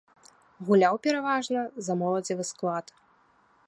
Гуляў пераважна за моладзевы склад.